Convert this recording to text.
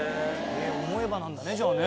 思えばなんだねじゃあね。